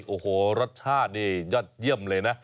โอ้โหรสชาตินี่ยอดเยี่ยมเลยนะ